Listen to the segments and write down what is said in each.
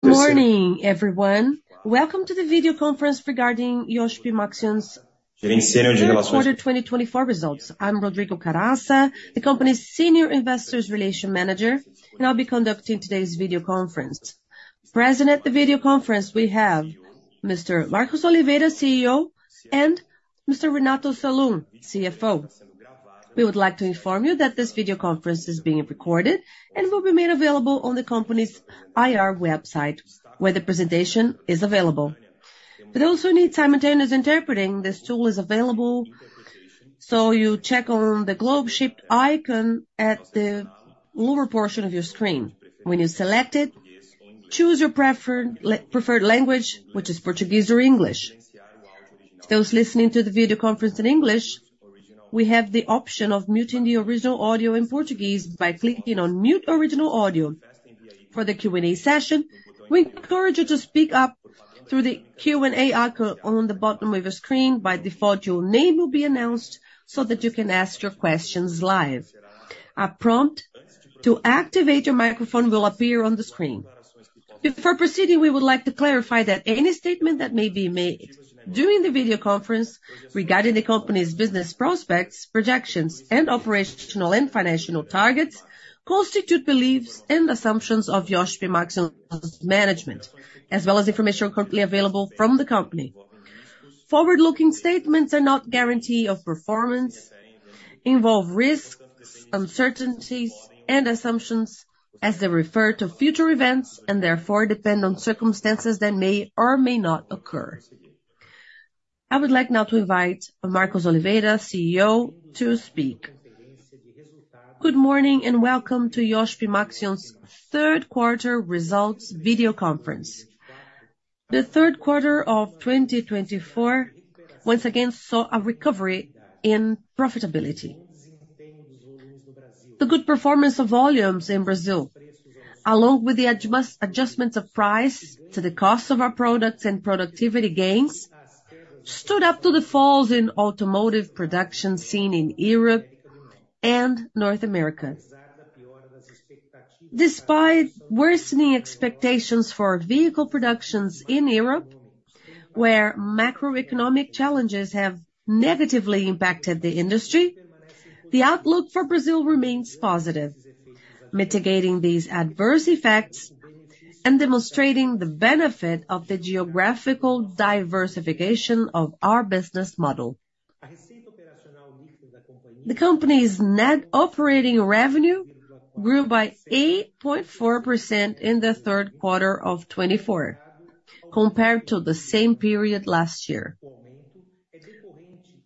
Good morning, everyone. Welcome to the video conference regarding Iochpe-Maxion's reported 2024 results. I'm Rodrigo Caraça, the company's Senior Investor Relations Manager, and I'll be conducting today's video conference. Present at the video conference, we have Mr. Marcos Oliveira, CEO, and Mr. Renato Salum, CFO. We would like to inform you that this video conference is being recorded and will be made available on the company's IR website where the presentation is available. For those who need simultaneous interpreting, this tool is available, so you check on the globe-shaped icon at the lower portion of your screen. When you select it, choose your preferred language, which is Portuguese or English. For those listening to the video conference in English, we have the option of muting the original audio in Portuguese by clicking on "Mute Original Audio." For the Q&A session, we encourage you to speak up through the Q&A icon on the bottom of your screen. By default, your name will be announced so that you can ask your questions live. A prompt to activate your microphone will appear on the screen. Before proceeding, we would like to clarify that any statement that may be made during the video conference regarding the company's business prospects, projections, and operational and financial targets constitutes beliefs and assumptions of Iochpe-Maxion's management, as well as information currently available from the company. Forward-looking statements are not a guarantee of performance, involve risks, uncertainties, and assumptions, as they refer to future events and therefore depend on circumstances that may or may not occur. I would like now to invite Marcos Oliveira, CEO, to speak. Good morning and welcome to Iochpe-Maxion's third-quarter results video conference. The third quarter of 2024 once again saw a recovery in profitability. The good performance of volumes in Brazil, along with the adjustment of price to the cost of our products and productivity gains, stood up to the falls in automotive production seen in Europe and North America. Despite worsening expectations for vehicle productions in Europe, where macroeconomic challenges have negatively impacted the industry, the outlook for Brazil remains positive, mitigating these adverse effects and demonstrating the benefit of the geographical diversification of our business model. The company's net operating revenue grew by 8.4% in the third quarter of 2024, compared to the same period last year.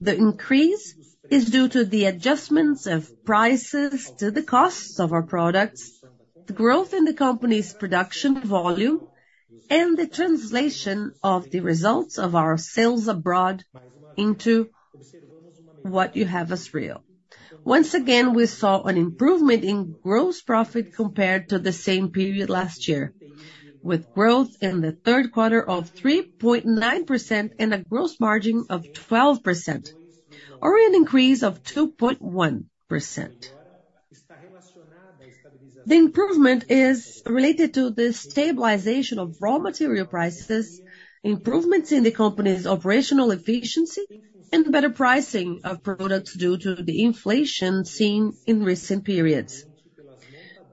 The increase is due to the adjustments of prices to the costs of our products, the growth in the company's production volume, and the translation of the results of our sales abroad into what you have as real. Once again, we saw an improvement in gross profit compared to the same period last year, with growth in the third quarter of 3.9% and a gross margin of 12%, or an increase of 2.1%. The improvement is related to the stabilization of raw material prices, improvements in the company's operational efficiency, and better pricing of products due to the inflation seen in recent periods.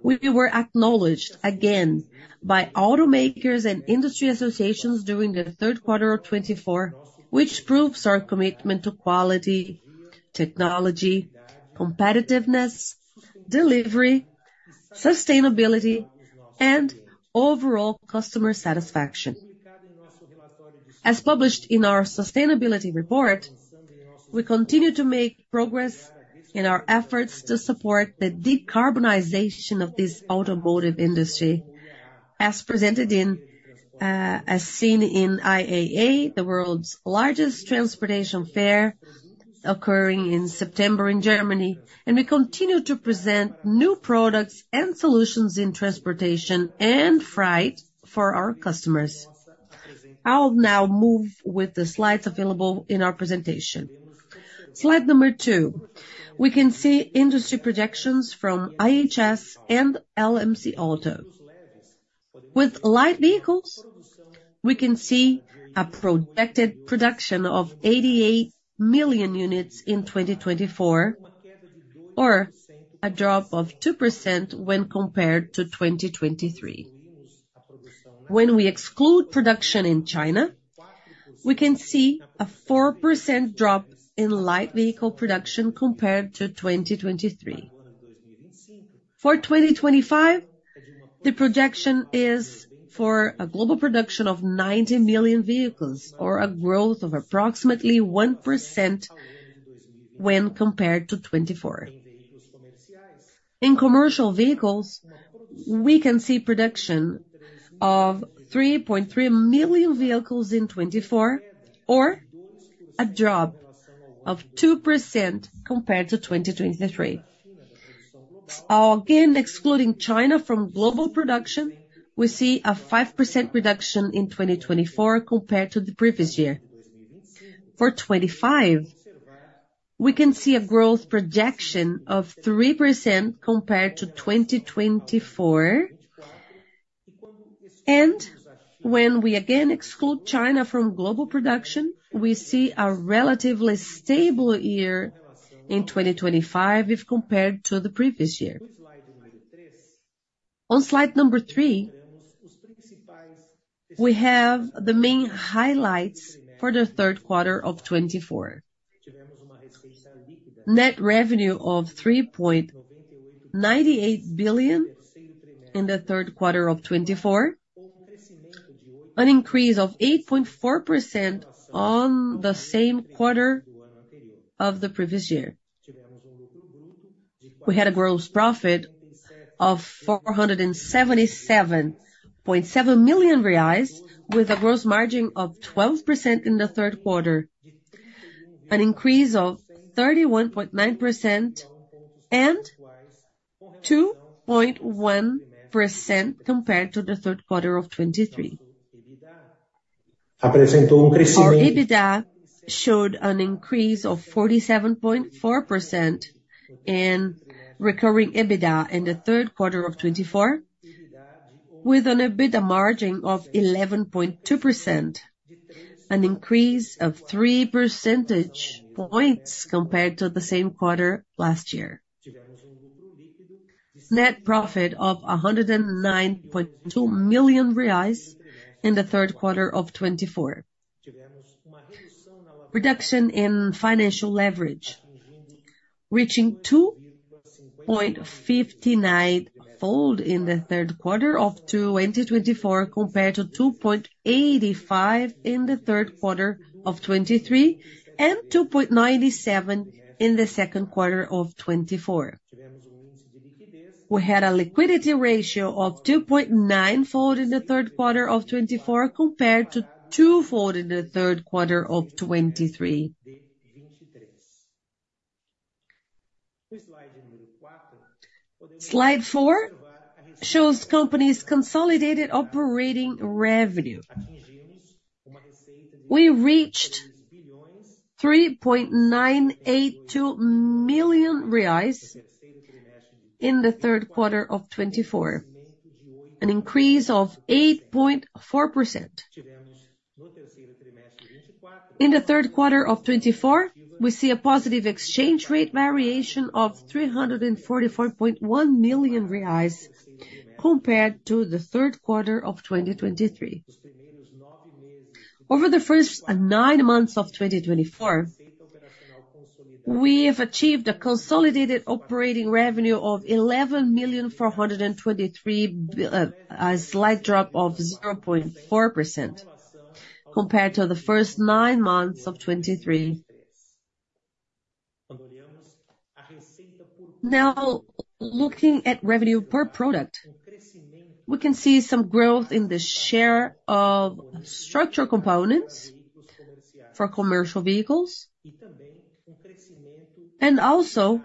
We were acknowledged again by automakers and industry associations during the third quarter of 2024, which proves our commitment to quality, technology, competitiveness, delivery, sustainability, and overall customer satisfaction. As published in our sustainability report, we continue to make progress in our efforts to support the decarbonization of the automotive industry, as presented at IAA, the world's largest transportation fair occurring in September in Germany, and we continue to present new products and solutions in transportation and freight for our customers. I'll now move to the slides available in our presentation. Slide number two, we can see industry projections from IHS and LMC Auto. With light vehicles, we can see a projected production of 88 million units in 2024, or a drop of 2% when compared to 2023. When we exclude production in China, we can see a 4% drop in light vehicle production compared to 2023. For 2025, the projection is for a global production of 90 million vehicles, or a growth of approximately 1% when compared to 2024. In commercial vehicles, we can see production of 3.3 million vehicles in 2024, or a drop of 2% compared to 2023. Again, excluding China from global production, we see a 5% reduction in 2024 compared to the previous year. For 2025, we can see a growth projection of 3% compared to 2024. When we again exclude China from global production, we see a relatively stable year in 2025 if compared to the previous year. On slide number three, we have the main highlights for the third quarter of 2024. Net revenue of R$3.98 billion in the third quarter of 2024, an increase of 8.4% on the same quarter of the previous year. We had a gross profit of R$477.7 million, with a gross margin of 12% in the third quarter, an increase of 31.9%, and 2.1% compared to the third quarter of 2023. The EBITDA showed an increase of 47.4% in recurring EBITDA in the third quarter of 2024, with an EBITDA margin of 11.2%, an increase of 3 percentage points compared to the same quarter last year. Net profit of R$109.2 million in the third quarter of 2024. Reduction in financial leverage, reaching 2.59-fold in the third quarter of 2024 compared to 2.85 in the third quarter of 2023 and 2.97 in the second quarter of 2024. We had a liquidity ratio of 2.9-fold in the third quarter of 2024 compared to 2-fold in the third quarter of 2023. Slide four shows the company's consolidated operating revenue. We reached R$3.982 billion in the third quarter of 2024, an increase of 8.4%. In the third quarter of 2024, we see a positive exchange rate variation of R$344.1 million compared to the third quarter of 2023. Over the first nine months of 2024, we have achieved a consolidated operating revenue of $11,423 million, a slight drop of 0.4% compared to the first nine months of 2023. Looking at revenue per product, we can see some growth in the share of structural components for commercial vehicles and also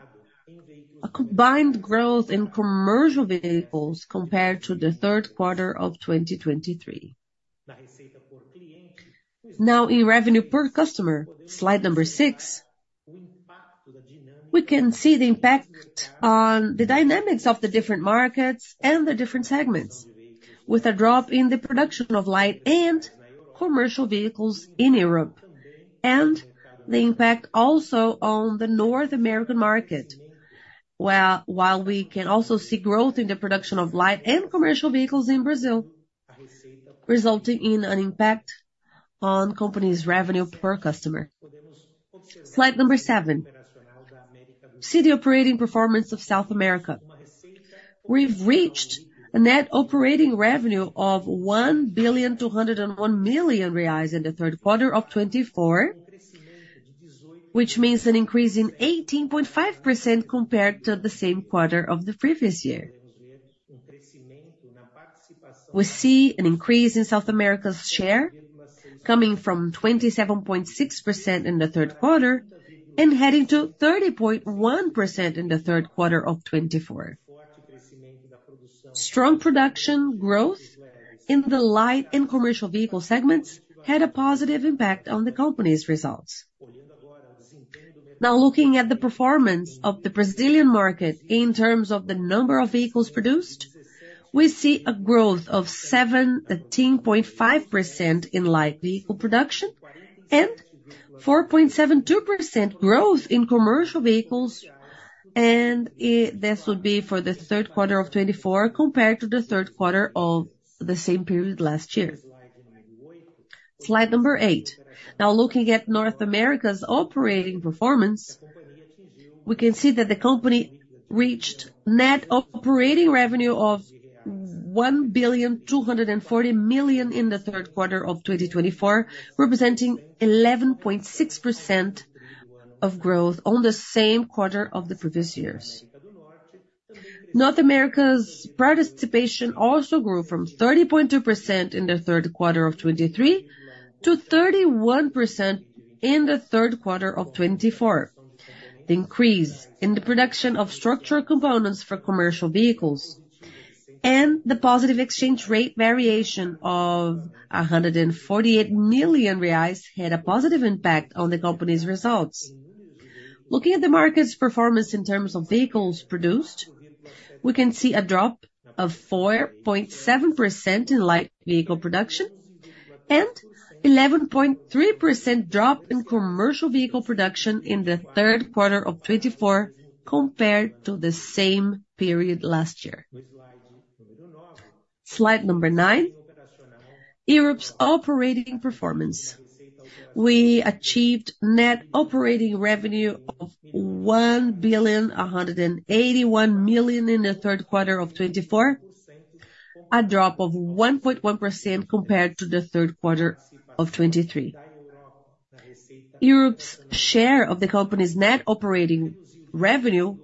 a combined growth in commercial vehicles compared to the third quarter of 2023. In revenue per customer, slide number six, we can see the impact on the dynamics of the different markets and the different segments, with a drop in the production of light and commercial vehicles in Europe, and the impact also on the North American market, while we can also see growth in the production of light and commercial vehicles in Brazil, resulting in an impact on company's revenue per customer. Slide number seven, operating performance of South America. We've reached a net operating revenue of R$1,201 million in the third quarter of 2024, which means an increase of 18.5% compared to the same quarter of the previous year. We see an increase in South America's share coming from 27.6% in the third quarter and heading to 30.1% in the third quarter of 2024. Strong production growth in the light and commercial vehicle segments had a positive impact on the company's results. Looking at the performance of the Brazilian market in terms of the number of vehicles produced, we see a growth of 17.5% in light vehicle production and 4.72% growth in commercial vehicles, and this would be for the third quarter of 2024 compared to the third quarter of the same period last year. Slide number eight. Now, looking at North America's operating performance, we can see that the company reached net operating revenue of $1,240 million in the third quarter of 2024, representing 11.6% growth on the same quarter of the previous year. North America's participation also grew from 30.2% in the third quarter of 2023 to 31% in the third quarter of 2024. The increase in the production of structural components for commercial vehicles and the positive exchange rate variation of R$148 million had a positive impact on the company's results. Looking at the market's performance in terms of vehicles produced, we can see a drop of 4.7% in light vehicle production and an 11.3% drop in commercial vehicle production in the third quarter of 2024 compared to the same period last year. Slide number nine, Europe's operating performance. We achieved net operating revenue of $1,181 million in the third quarter of 2024, a drop of 1.1% compared to the third quarter of 2023. Europe's share of the company's net operating revenue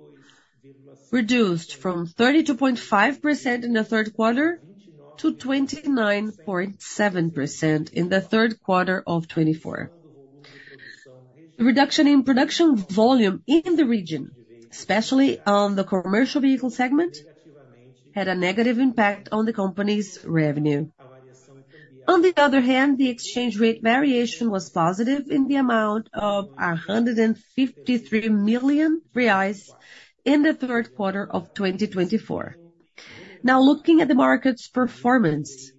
reduced from 32.5% in the third quarter to 29.7% in the third quarter of 2024. The reduction in production volume in the region, especially on the commercial vehicle segment, had a negative impact on the company's revenue. On the other hand, the exchange rate variation was positive in the amount of R$153 million in the third quarter of 2024. Looking at the market's performance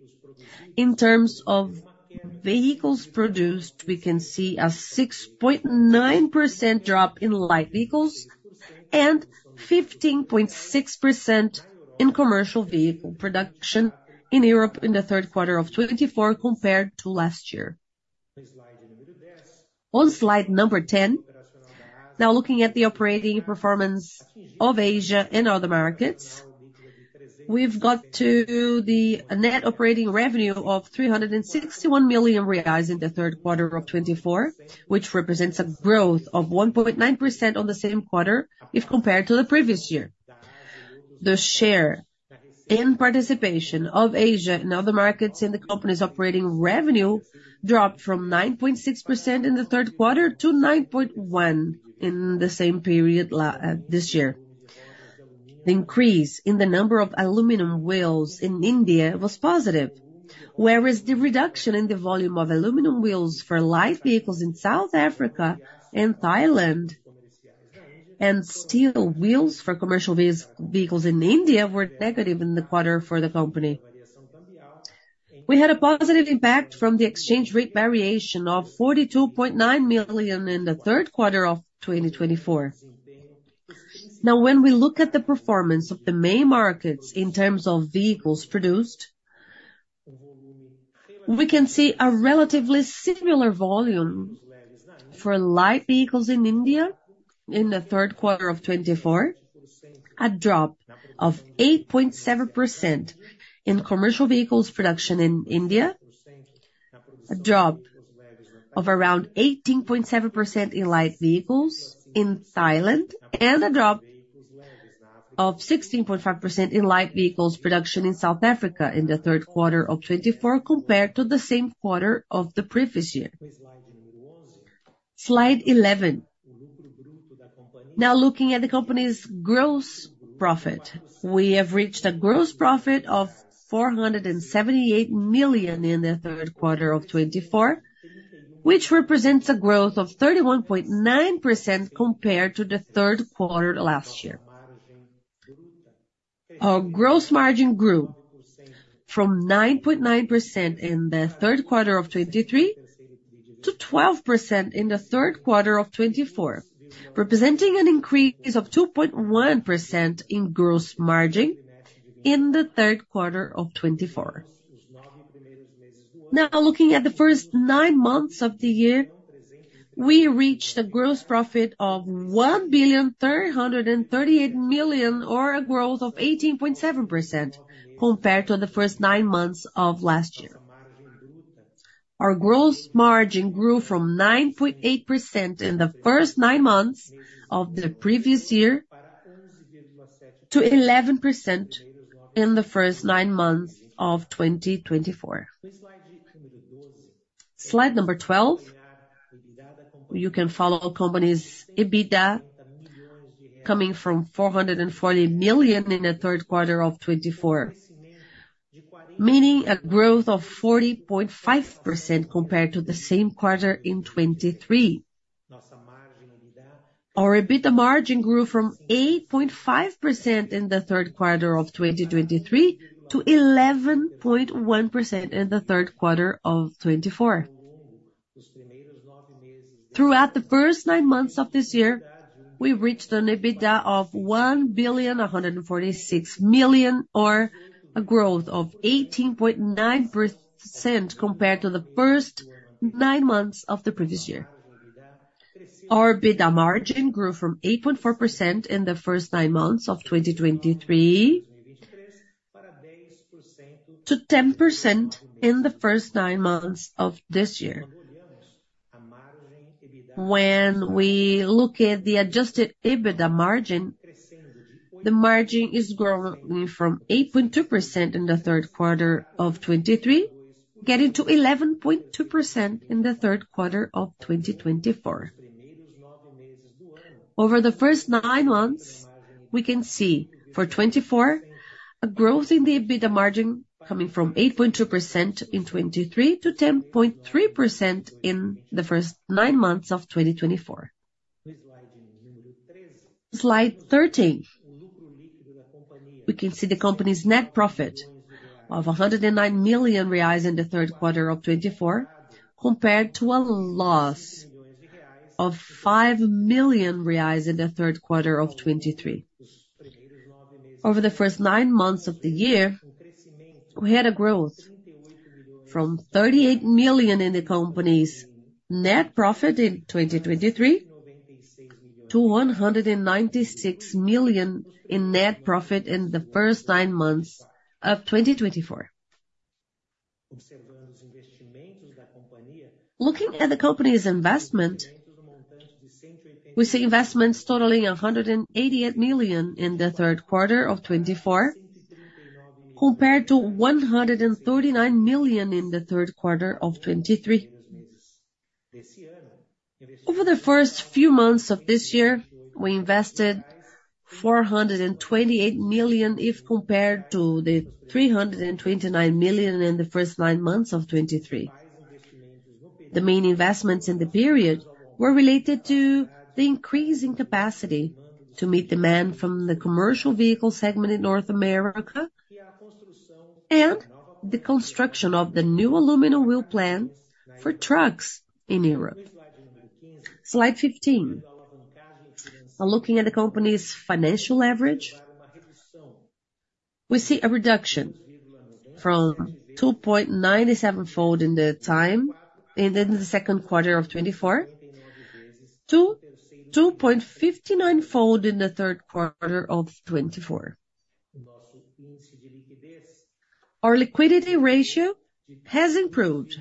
in terms of vehicles produced, we can see a 6.9% drop in light vehicles and 15.6% in commercial vehicle production in Europe in the third quarter of 2024 compared to last year. On slide number ten, now looking at the operating performance of Asia and other markets, we've got to the net operating revenue of R$361 million in the third quarter of 2024, which represents a growth of 1.9% on the same quarter if compared to the previous year. The share and participation of Asia and other markets in the company's operating revenue dropped from 9.6% in the third quarter to 9.1% in the same period this year. The increase in the number of aluminum wheels in India was positive, whereas the reduction in the volume of aluminum wheels for light vehicles in South Africa and Thailand and steel wheels for commercial vehicles in India were negative in the quarter for the company. We had a positive impact from the exchange rate variation of R$42.9 million in the third quarter of 2024. Now, when we look at the performance of the main markets in terms of vehicles produced, we can see a relatively similar volume for light vehicles in India in the third quarter of 2024, a drop of 8.7% in commercial vehicles production in India, a drop of around 18.7% in light vehicles in Thailand, and a drop of 16.5% in light vehicles production in South Africa in the third quarter of 2024 compared to the same quarter of the previous year. Slide 11. Now, looking at the company's gross profit, we have reached a gross profit of $478 million in the third quarter of 2024, which represents a growth of 31.9% compared to the third quarter last year. Our gross margin grew from 9.9% in the third quarter of 2023 to 12% in the third quarter of 2024, representing an increase of 2.1% in gross margin in the third quarter of 2024. Now, looking at the first nine months of the year, we reached a gross profit of $1.338 billion, or a growth of 18.7% compared to the first nine months of last year. Our gross margin grew from 9.8% in the first nine months of the previous year to 11% in the first nine months of 2024. Slide number 12. You can follow the company's EBITDA coming from $440 million in the third quarter of 2024, meaning a growth of 40.5% compared to the same quarter in 2023. Our EBITDA margin grew from 8.5% in the third quarter of 2023 to 11.1% in the third quarter of 2024. Throughout the first nine months of this year, we reached an EBITDA of $1,146 million, or a growth of 18.9% compared to the first nine months of the previous year. Our EBITDA margin grew from 8.4% in the first nine months of 2023 to 10% in the first nine months of this year. When we look at the adjusted EBITDA margin, the margin is growing from 8.2% in the third quarter of 2023, getting to 11.2% in the third quarter of 2024. Over the first nine months, we can see for 2024, a growth in the EBITDA margin coming from 8.2% in 2023 to 10.3% in the first nine months of 2024. Slide 13. We can see the company's net profit of R$109 million in the third quarter of 2024 compared to a loss of R$5 million in the third quarter of 2023. Over the first nine months of the year, we had a growth from $38 million in the company's net profit in 2023 to $196 million in net profit in the first nine months of 2024. Looking at the company's investment, we see investments totaling $188 million in the third quarter of 2024 compared to $139 million in the third quarter of 2023. Over the first few months of this year, we invested $428 million if compared to the $329 million in the first nine months of 2023. The main investments in the period were related to the increase in capacity to meet demand from the commercial vehicle segment in North America and the construction of the new aluminum wheel plant for trucks in Europe. Slide 15. Looking at the company's financial leverage, we see a reduction from 2.97-fold in the second quarter of 2024 to 2.59-fold in the third quarter of 2024. Our liquidity ratio has improved,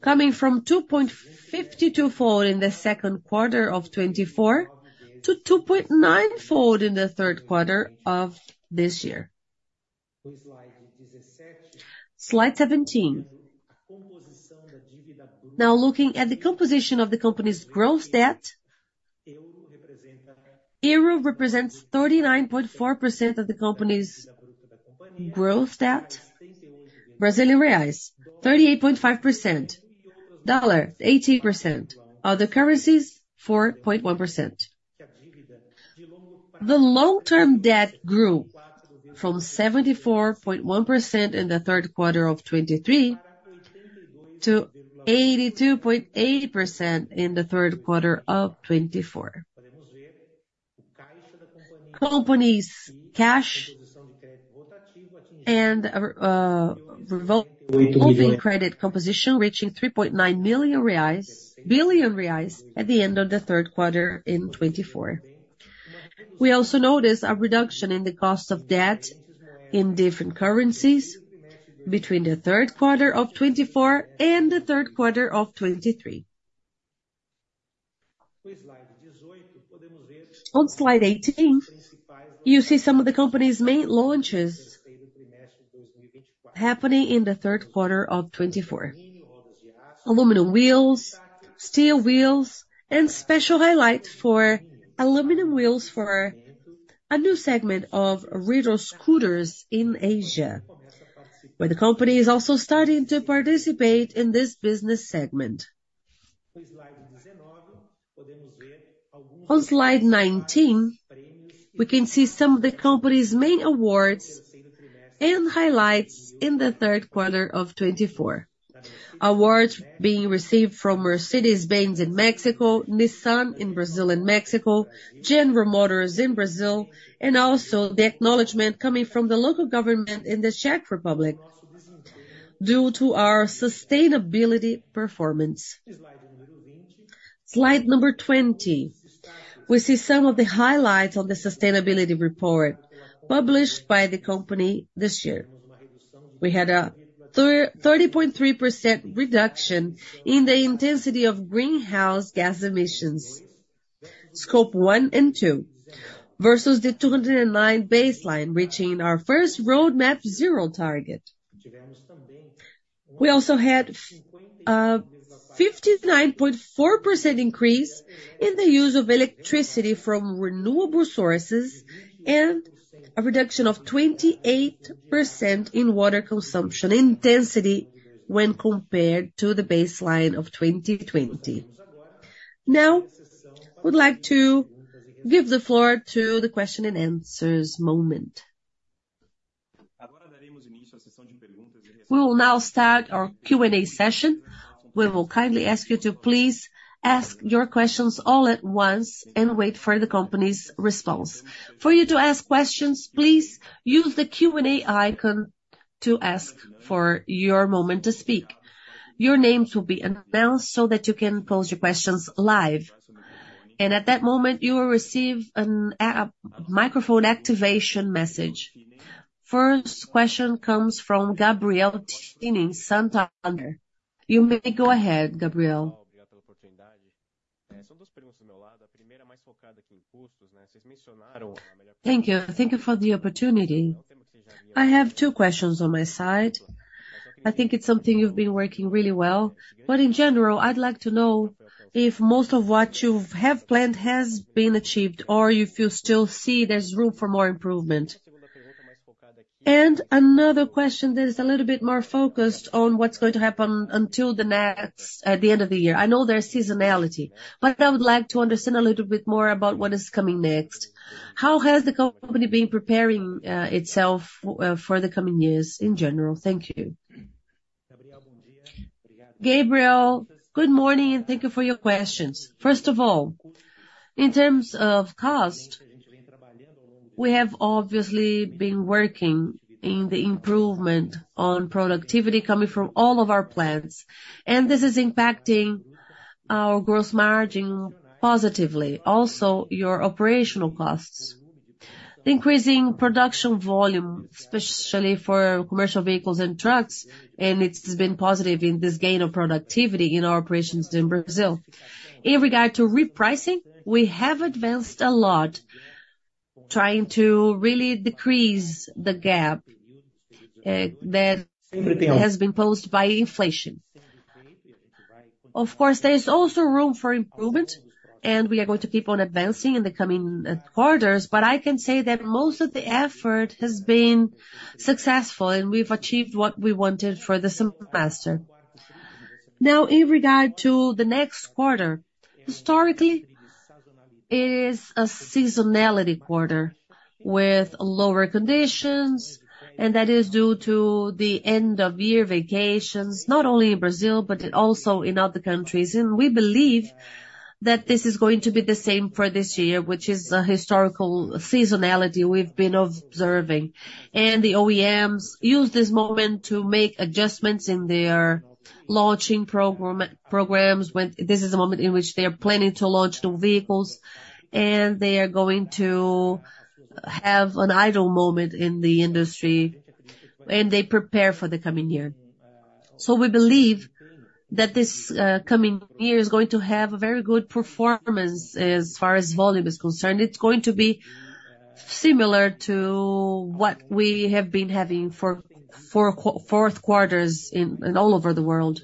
coming from 2.52-fold in the second quarter of 2024 to 2.9-fold in the third quarter of this year. Slide 17. Now, looking at the composition of the company's gross debt, Euro represents 39.4% of the company's gross debt, in Brazilian reais 38.5%, dollars 18%, other currencies 4.1%. The long-term debt grew from 74.1% in the third quarter of 2023 to 82.8% in the third quarter of 2024. Company's cash and moving credit composition reaching R$3.9 million at the end of the third quarter in 2024. We also notice a reduction in the cost of debt in different currencies between the third quarter of 2024 and the third quarter of 2023. On slide 18, you see some of the company's main launches happening in the third quarter of 2024: aluminum wheels, steel wheels, and special highlight for aluminum wheels for a new segment of electric scooters in Asia, where the company is also starting to participate in this business segment. On slide 19, we can see some of the company's main awards and highlights in the third quarter of 2024: awards being received from Mercedes-Benz in Mexico, Nissan in Brazil and Mexico, General Motors in Brazil, and also the acknowledgment coming from the local government in the Czech Republic due to our sustainability performance. Slide number 20. We see some of the highlights on the sustainability report published by the company this year. We had a 30.3% reduction in the intensity of greenhouse gas emissions, Scope 1 and 2, versus the 2009 baseline, reaching our first Roadmap Zero target. We also had a 59.4% increase in the use of electricity from renewable sources and a reduction of 28% in water consumption intensity when compared to the baseline of 2020. Now, I would like to give the floor to the question and answers moment. We will now start our Q&A session. We will kindly ask you to please ask your questions all at once and wait for the company's response. For you to ask questions, please use the Q&A icon to ask for your moment to speak. Your names will be announced so that you can pose your questions live. At that moment, you will receive a microphone activation message. First question comes from Gabriel Tinem-Santander. You may go ahead, Gabriel. Thank you. Thank you for the opportunity. I have two questions on my side. I think it's something you've been working really well. But in general, I'd like to know if most of what you have planned has been achieved or you still see there's room for more improvement. Another question that is a little bit more focused on what's going to happen until the end of the year. I know there's seasonality, but I would like to understand a little bit more about what is coming next. How has the company been preparing itself for the coming years in general? Thank you. Gabriel, good morning and thank you for your questions. First of all, in terms of cost, we have obviously been working in the improvement on productivity coming from all of our plants, and this is impacting our gross margin positively. Also, your operational costs, increasing production volume, especially for commercial vehicles and trucks, and it's been positive in this gain of productivity in our operations in Brazil. In regard to repricing, we have advanced a lot, trying to really decrease the gap that has been posed by inflation. Of course, there's also room for improvement, and we are going to keep on advancing in the coming quarters, but I can say that most of the effort has been successful and we've achieved what we wanted for the semester. Now, in regard to the next quarter, historically, it is a seasonality quarter with lower conditions, and that is due to the end-of-year vacations, not only in Brazil, but also in other countries. We believe that this is going to be the same for this year, which is a historical seasonality we've been observing. The OEMs use this moment to make adjustments in their launching programs. This is a moment in which they are planning to launch new vehicles, and they are going to have an idle moment in the industry when they prepare for the coming year. We believe that this coming year is going to have a very good performance as far as volume is concerned. It's going to be similar to what we have been having for fourth quarters all over the world.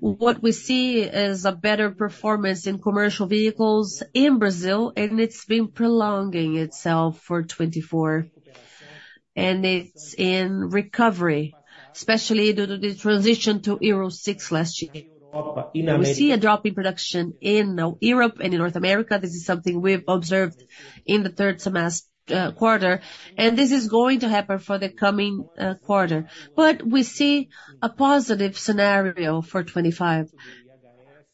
What we see is a better performance in commercial vehicles in Brazil, and it's been prolonging itself for 2024, and it's in recovery, especially due to the transition to Euro 6 last year. We see a drop in production in Europe and in North America. This is something we've observed in the third quarter, and this is going to happen for the coming quarter. We see a positive scenario for 2025.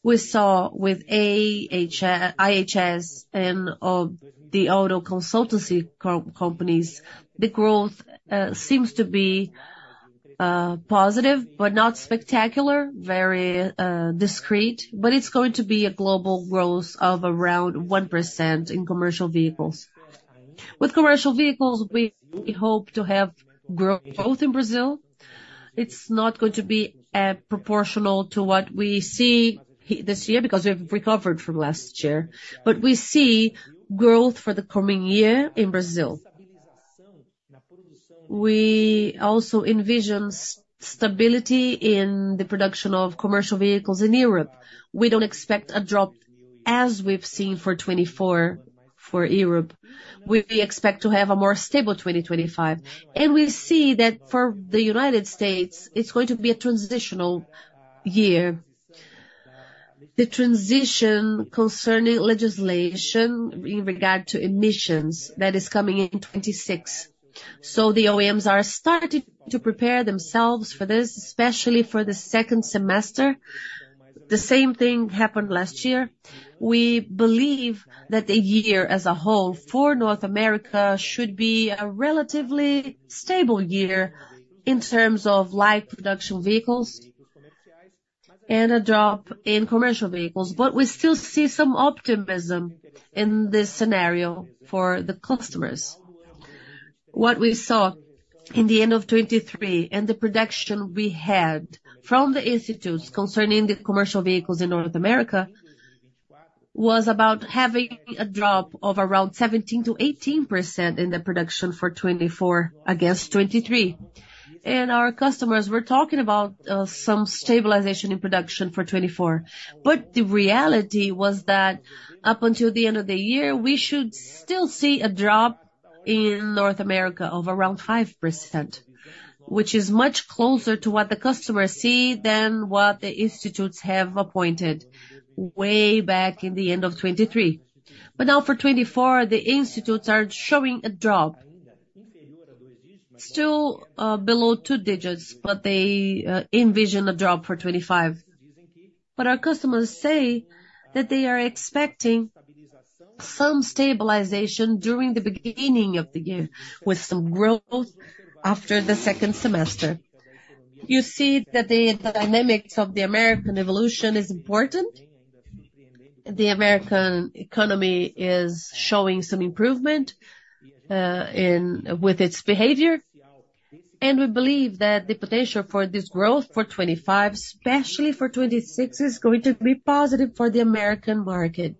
We saw with IHS and the Auto Consultancy companies, the growth seems to be positive, but not spectacular, very discreet. But it's going to be a global growth of around 1% in commercial vehicles. With commercial vehicles, we hope to have growth in Brazil. It's not going to be proportional to what we see this year because we've recovered from last year, but we see growth for the coming year in Brazil. We also envision stability in the production of commercial vehicles in Europe. We don't expect a drop as we've seen for 2024 for Europe. We expect to have a more stable 2025. We see that for the United States, it's going to be a transitional year. The transition concerning legislation in regard to emissions that is coming in 2026. The OEMs are starting to prepare themselves for this, especially for the second semester. The same thing happened last year. We believe that the year as a whole for North America should be a relatively stable year in terms of light production vehicles and a drop in commercial vehicles. But we still see some optimism in this scenario for the customers. What we saw in the end of 2023 and the production we had from the institutes concerning the commercial vehicles in North America was about having a drop of around 17% to 18% in the production for 2024 against 2023. Our customers were talking about some stabilization in production for 2024. But the reality was that up until the end of the year, we should still see a drop in North America of around 5%, which is much closer to what the customers see than what the institutes have appointed way back in the end of 2023. But now for 2024, the institutes are showing a drop, still below two digits, but they envision a drop for 2025. But our customers say that they are expecting some stabilization during the beginning of the year with some growth after the second semester. You see that the dynamics of the American evolution is important. The American economy is showing some improvement with its behavior. We believe that the potential for this growth for 2025, especially for 2026, is going to be positive for the American market,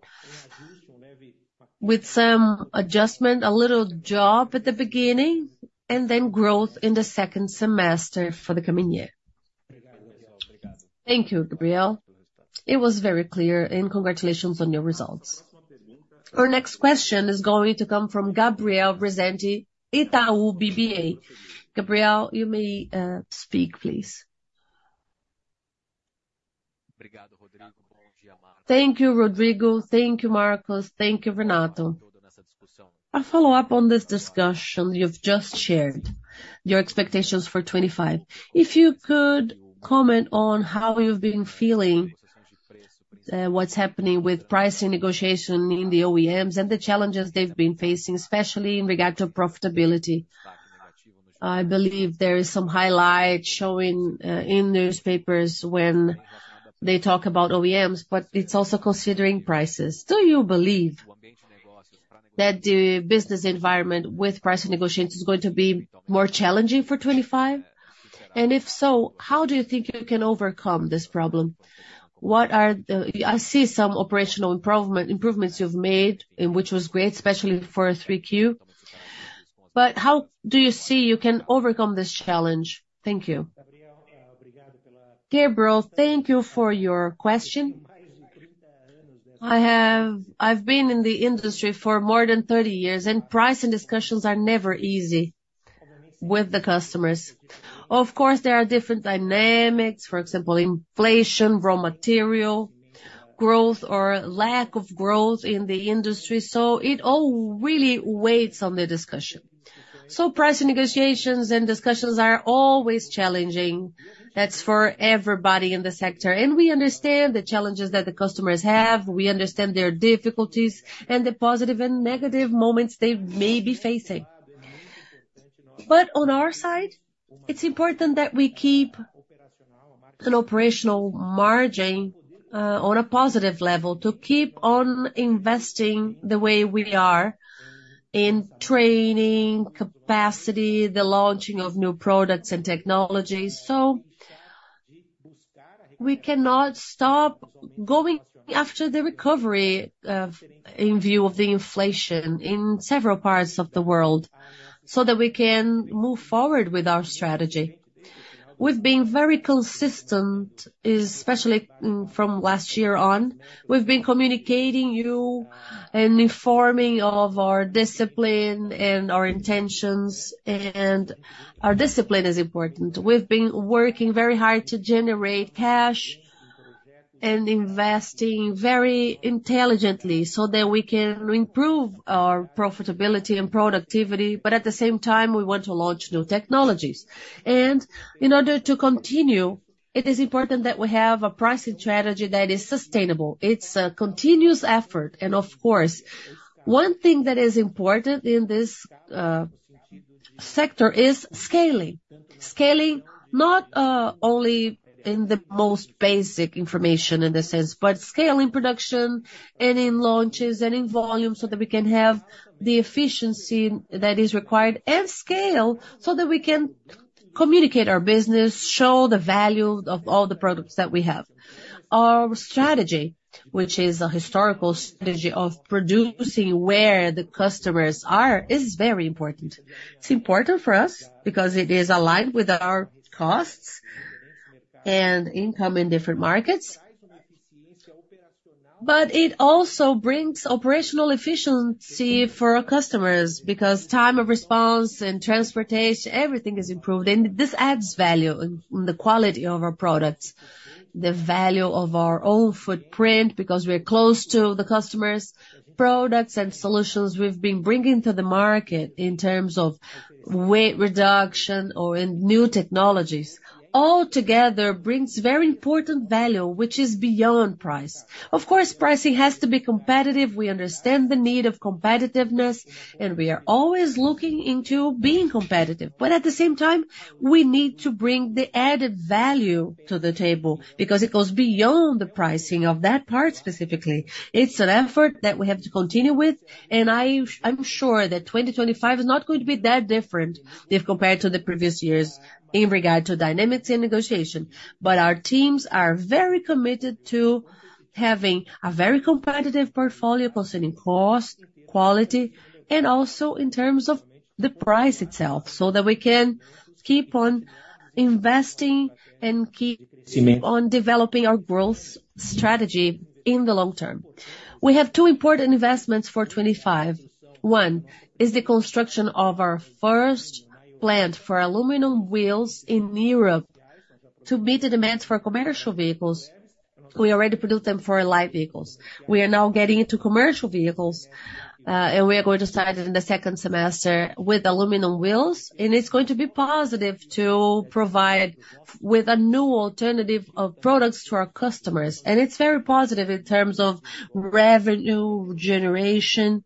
with some adjustment, a little drop at the beginning, and then growth in the second semester for the coming year. Thank you, Gabriel. It was very clear, and congratulations on your results. Our next question is going to come from Gabriel Rezende, Itaú BBA. Gabriel, you may speak, please. Thank you, Rodrigo. Thank you, Marcos. Thank you, Renato. I follow up on this discussion you've just shared, your expectations for 2025. If you could comment on how you've been feeling, what's happening with pricing negotiation in the OEMs and the challenges they've been facing, especially in regard to profitability. I believe there is some highlight showing in newspapers when they talk about OEMs, but it's also considering prices. Do you believe that the business environment with pricing negotiations is going to be more challenging for 2025? If so, how do you think you can overcome this problem? I see some operational improvements you've made, which was great, especially for Q3. How do you see you can overcome this challenge? Thank you. Gabriel, thank you for your question. I've been in the industry for more than 30 years, and pricing discussions are never easy with the customers. Of course, there are different dynamics, for example, inflation, raw material, growth, or lack of growth in the industry. It all really weighs on the discussion. Pricing negotiations and discussions are always challenging. That's for everybody in the sector. We understand the challenges that the customers have. We understand their difficulties and the positive and negative moments they may be facing. But on our side, it's important that we keep an operational margin on a positive level to keep on investing the way we are in training, capacity, the launching of new products and technologies. We cannot stop going after the recovery in view of the inflation in several parts of the world so that we can move forward with our strategy. We've been very consistent, especially from last year on. We've been communicating you and informing of our discipline and our intentions. Our discipline is important. We've been working very hard to generate cash and investing very intelligently so that we can improve our profitability and productivity. At the same time, we want to launch new technologies. In order to continue, it is important that we have a pricing strategy that is sustainable. It's a continuous effort. Of course, one thing that is important in this sector is scaling. Scaling not only in the most basic information in the sense, but scaling production and in launches and in volume so that we can have the efficiency that is required and scale so that we can communicate our business, show the value of all the products that we have. Our strategy, which is a historical strategy of producing where the customers are, is very important. It's important for us because it is aligned with our costs and income in different markets. But it also brings operational efficiency for our customers because time of response and transportation, everything is improved. This adds value in the quality of our products, the value of our own footprint because we are close to the customers' products and solutions we've been bringing to the market in terms of weight reduction or new technologies. Altogether, it brings very important value, which is beyond price. Of course, pricing has to be competitive. We understand the need of competitiveness, and we are always looking into being competitive. But at the same time, we need to bring the added value to the table because it goes beyond the pricing of that part specifically. It's an effort that we have to continue with. I'm sure that 2025 is not going to be that different if compared to the previous years in regard to dynamics and negotiation. But our teams are very committed to having a very competitive portfolio concerning cost, quality, and also in terms of the price itself so that we can keep on investing and keep on developing our growth strategy in the long term. We have two important investments for 2025. One is the construction of our first plant for aluminum wheels in Europe to meet the demands for commercial vehicles. We already produced them for light vehicles. We are now getting into commercial vehicles, and we are going to start it in the second semester with aluminum wheels. It's going to be positive to provide with a new alternative of products to our customers. It's very positive in terms of revenue generation.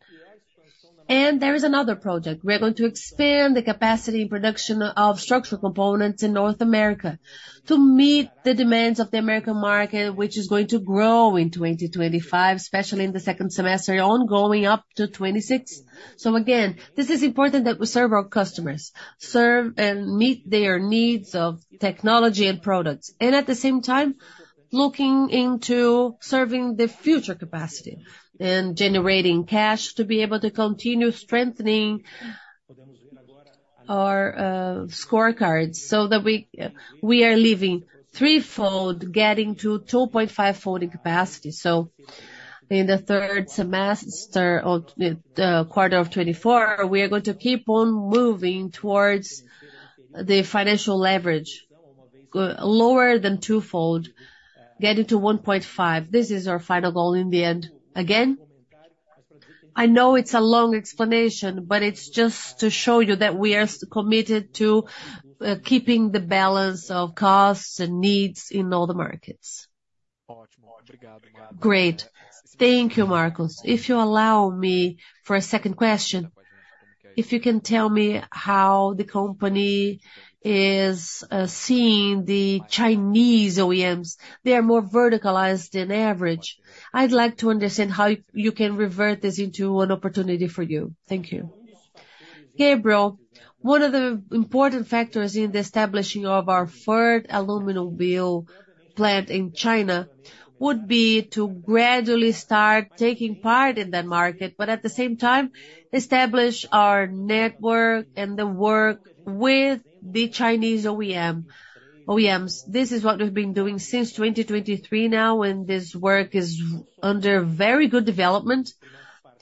There is another project. We are going to expand the capacity and production of structural components in North America to meet the demands of the American market, which is going to grow in 2025, especially in the second semester, ongoing up to 2026. Again, this is important that we serve our customers, serve and meet their needs of technology and products. At the same time, looking into serving the future capacity and generating cash to be able to continue strengthening our scorecards so that we are leaving threefold, getting to 2.5-fold capacity. In the third quarter of 2024, we are going to keep on moving towards the financial leverage, lower than twofold, getting to 1.5. This is our final goal in the end. Again, I know it's a long explanation, but it's just to show you that we are committed to keeping the balance of costs and needs in all the markets. Great. Thank you, Marcos. If you allow me for a second question, if you can tell me how the company is seeing the Chinese OEMs, they are more verticalized than average. I'd like to understand how you can revert this into an opportunity for you. Thank you. Gabriel, one of the important factors in the establishing of our third aluminum wheel plant in China would be to gradually start taking part in that market, but at the same time, establish our network and the work with the Chinese OEMs. This is what we've been doing since 2023 now, and this work is under very good development.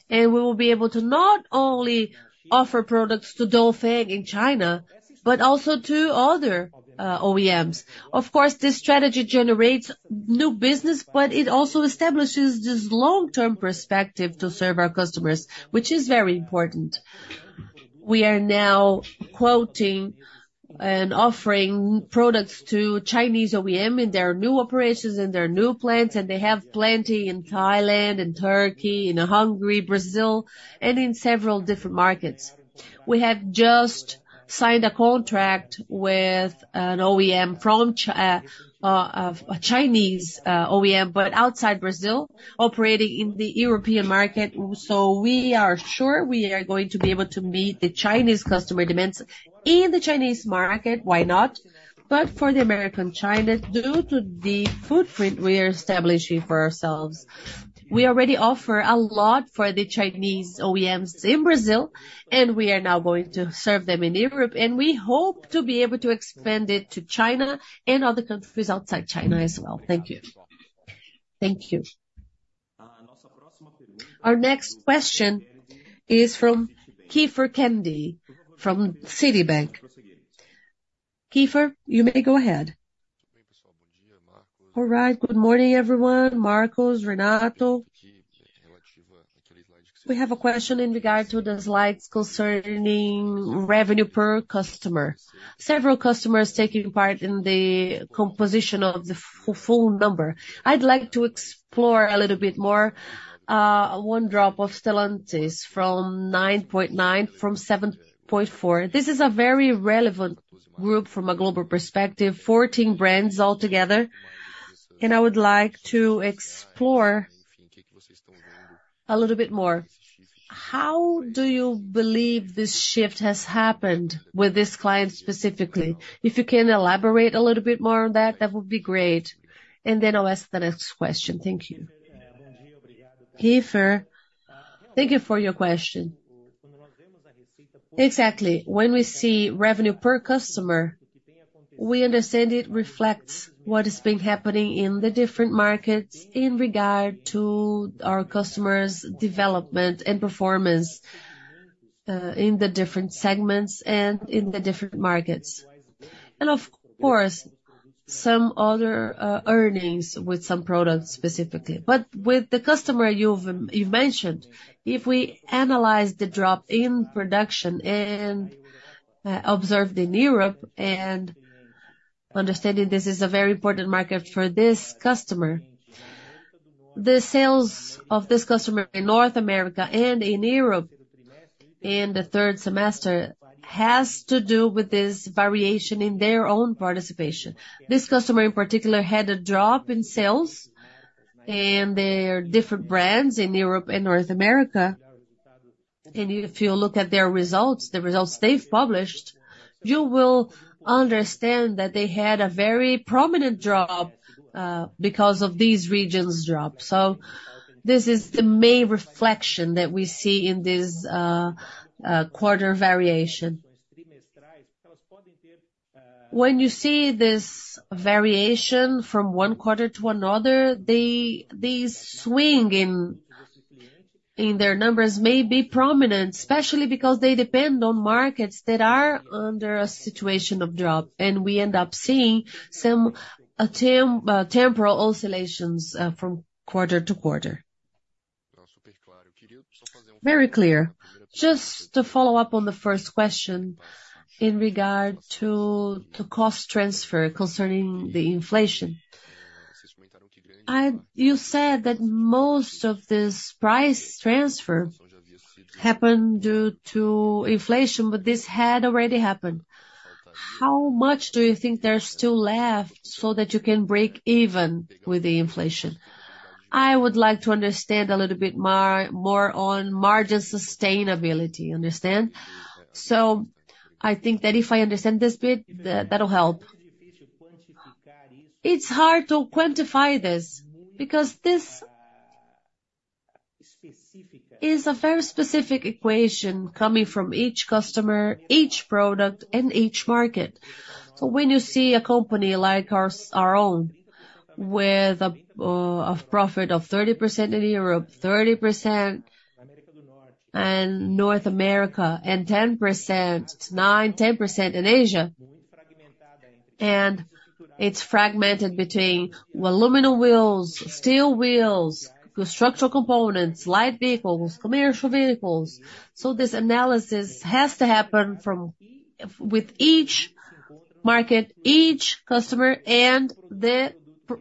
We will be able to not only offer products to Dongfeng in China, but also to other OEMs. Of course, this strategy generates new business, but it also establishes this long-term perspective to serve our customers, which is very important. We are now quoting and offering products to Chinese OEMs in their new operations, in their new plants, and they have plenty in Thailand, in Turkey, in Hungary, Brazil, and in several different markets. We have just signed a contract with a Chinese OEM operating in the European market outside Brazil. So we are sure we are going to be able to meet the Chinese customer demands in the Chinese market, why not? But for the American China, due to the footprint we are establishing for ourselves, we already offer a lot for the Chinese OEMs in Brazil, and we are now going to serve them in Europe. We hope to be able to expand it to China and other countries outside China as well. Thank you. Our next question is from Kiepher Kennedy from Citibank. Kiepher, you may go ahead. All right. Good morning, everyone. Marcos, Renato. We have a question in regard to the slides concerning revenue per customer. Several customers are taking part in the composition of the full number. I'd like to explore a little bit more. One drop of Stellantis from 9.9% from 7.4%. This is a very relevant group from a global perspective, 14 brands altogether. I would like to explore a little bit more. How do you believe this shift has happened with this client specifically? If you can elaborate a little bit more on that, that would be great. Then I'll ask the next question. Thank you. Kiepher, thank you for your question. Exactly. When we see revenue per customer, we understand it reflects what is happening in the different markets in regard to our customers' development and performance in the different segments and in the different markets. Of course, some other earnings with some products specifically. But with the customer you've mentioned, if we analyze the drop in production and observe in Europe and understanding this is a very important market for this customer, the sales of this customer in North America and in Europe in the third quarter has to do with this variation in their own participation. This customer in particular had a drop in sales in their different brands in Europe and North America. If you look at their results, the results they've published, you will understand that they had a very prominent drop because of these regions' drop. So this is the main reflection that we see in this quarter variation. When you see this variation from one quarter to another, these swings in their numbers may be prominent, especially because they depend on markets that are under a situation of drop. We end up seeing some temporal oscillations from quarter to quarter. Very clear. Just to follow up on the first question in regard to the cost transfer concerning the inflation. You said that most of this price transfer happened due to inflation, but this had already happened. How much do you think there's still left so that you can break even with the inflation? I would like to understand a little bit more on margin sustainability. So I think that if I understand this bit, that'll help. It's hard to quantify this because this is a very specific equation coming from each customer, each product, and each market. When you see a company like our own with a profit of 30% in Europe, 30% in North America, and 10%, 9%, 10% in Asia, and it's fragmented between aluminum wheels, steel wheels, structural components, light vehicles, commercial vehicles. This analysis has to happen with each market, each customer, and the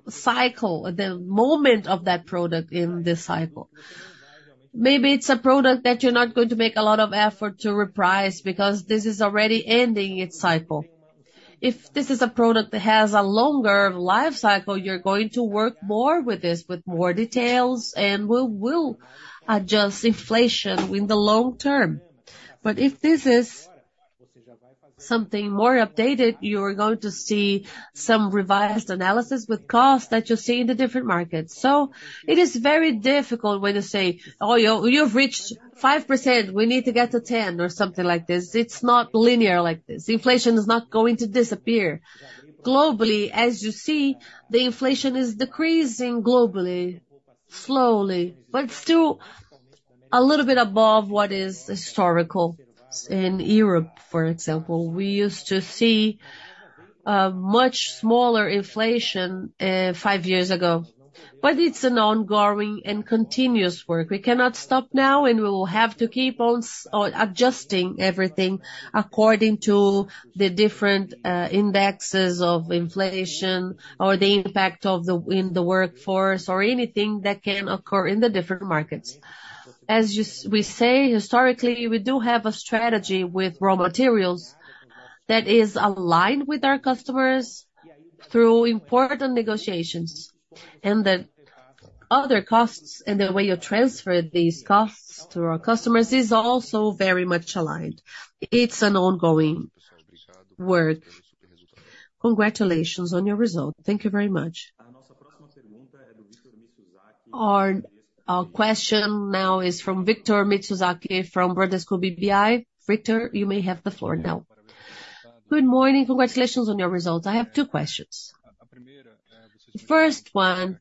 cycle, the moment of that product in this cycle. Maybe it's a product that you're not going to make a lot of effort to reprice because this is already ending its cycle. If this is a product that has a longer life cycle, you're going to work more with this, with more details, and we'll adjust inflation in the long term. But if this is something more updated, you're going to see some revised analysis with costs that you see in the different markets. So it is very difficult when you say, "Oh, you've reached 5%. We need to get to 10% or something like this." It's not linear like this. Inflation is not going to disappear. Globally, as you see, the inflation is decreasing globally, slowly, but still a little bit above what is historical. In Europe, for example, we used to see much smaller inflation five years ago, but it's an ongoing and continuous work. We cannot stop now, and we will have to keep on adjusting everything according to the different indexes of inflation or the impact in the workforce or anything that can occur in the different markets. As we say, historically, we do have a strategy with raw materials that is aligned with our customers through important negotiations. The other costs and the way you transfer these costs to our customers is also very much aligned. It's an ongoing work. Congratulations on your result. Thank you very much. Our question now is from Victor Mizusaki from Bradesco BBI. Victor, you may have the floor now. Good morning. Congratulations on your results. I have two questions. The first one,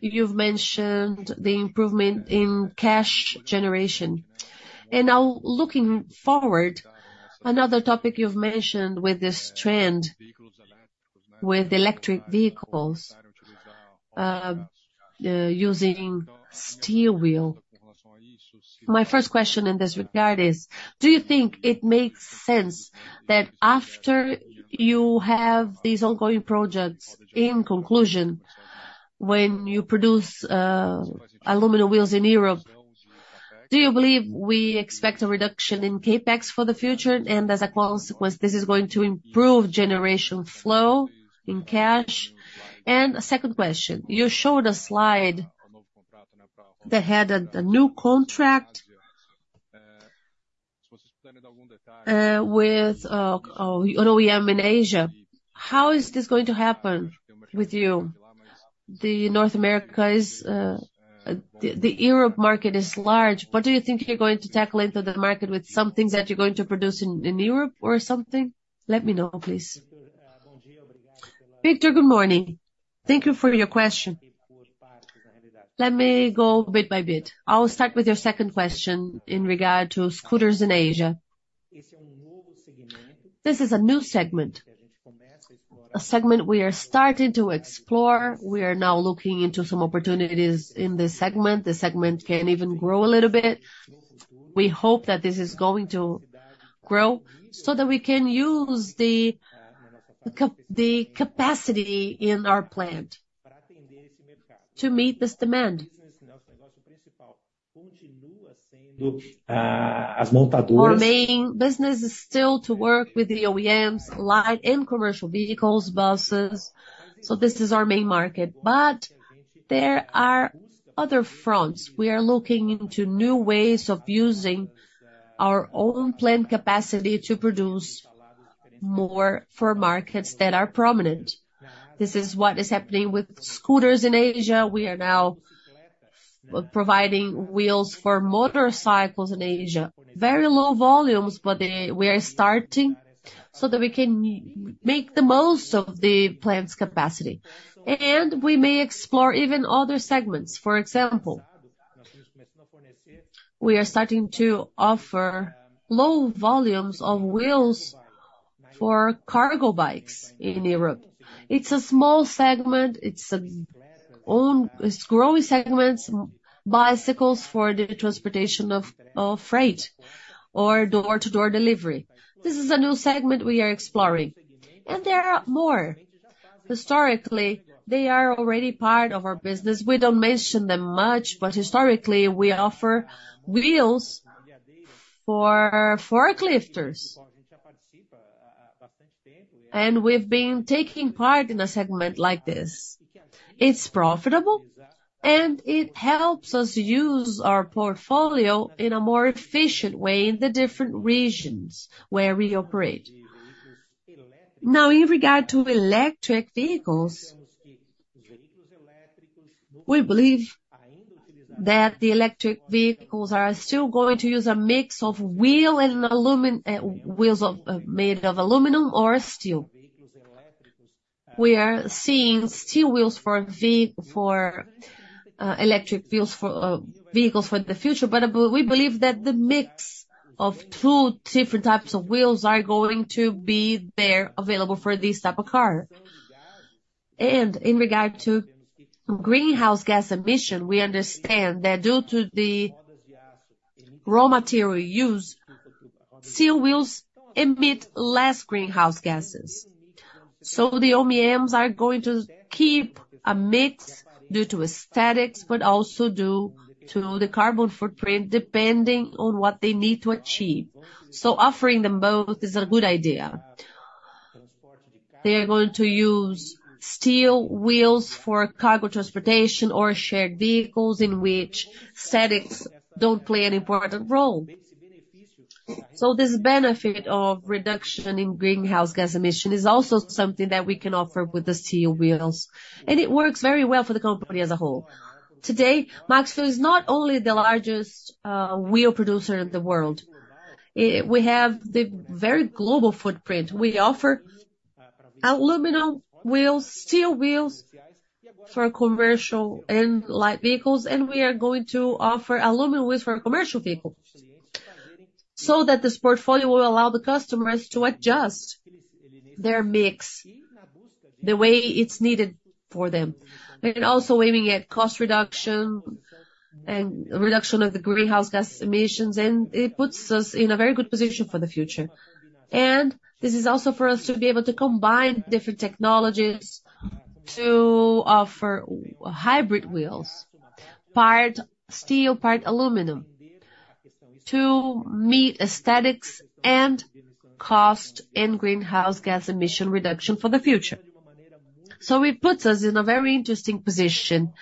you've mentioned the improvement in cash generation. Now looking forward, another topic you've mentioned with this trend with electric vehicles using steel wheel. My first question in this regard is, do you think it makes sense that after you have these ongoing projects, in conclusion, when you produce aluminum wheels in Europe, do you believe we expect a reduction in CAPEX for the future? As a consequence, this is going to improve generation flow in cash. My second question, you showed a slide that had a new contract with an OEM in Asia. How is this going to happen with you? North America and the Europe market is large. What do you think you're going to tackle into the market with some things that you're going to produce in Europe or something? Let me know, please. Victor, good morning. Thank you for your question. Let me go bit by bit. I'll start with your second question in regard to scooters in Asia. This is a new segment, a segment we are starting to explore. We are now looking into some opportunities in this segment. The segment can even grow a little bit. We hope that this is going to grow so that we can use the capacity in our plant to meet this demand. Our main business is still to work with the OEMs, light and commercial vehicles, buses. So this is our main market. But there are other fronts. We are looking into new ways of using our own plant capacity to produce more for markets that are prominent. This is what is happening with scooters in Asia. We are now providing wheels for motorcycles in Asia. Very low volumes, but we are starting so that we can make the most of the plant's capacity. We may explore even other segments. For example, we are starting to offer low volumes of wheels for cargo bikes in Europe. It's a small segment. It's a growing segment, bicycles for the transportation of freight or door-to-door delivery. This is a new segment we are exploring. There are more. Historically, they are already part of our business. We don't mention them much, but historically, we offer wheels for forklifts. We've been taking part in a segment like this. It's profitable, and it helps us use our portfolio in a more efficient way in the different regions where we operate. Now, in regard to electric vehicles, we believe that electric vehicles are still going to use a mix of wheels and aluminum wheels made of aluminum or steel. We are seeing steel wheels for electric vehicles for the future, but we believe that the mix of two different types of wheels are going to be there available for this type of car. In regard to greenhouse gas emission, we understand that due to the raw material use, steel wheels emit less greenhouse gases. So the OEMs are going to keep a mix due to aesthetics, but also due to the carbon footprint depending on what they need to achieve. So offering them both is a good idea. They are going to use steel wheels for cargo transportation or shared vehicles in which aesthetics don't play an important role. So this benefit of reduction in greenhouse gas emission is also something that we can offer with the steel wheels. It works very well for the company as a whole. Today, Maxion is not only the largest wheel producer in the world. We have a very global footprint. We offer aluminum wheels, steel wheels for commercial and light vehicles, and we are going to offer aluminum wheels for commercial vehicles. This portfolio will allow the customers to adjust their mix the way it's needed for them. Also aiming at cost reduction and reduction of the greenhouse gas emissions, it puts us in a very good position for the future. This is also for us to be able to combine different technologies to offer hybrid wheels, part steel, part aluminum, to meet aesthetics and cost and greenhouse gas emission reduction for the future. It puts us in a very interesting position,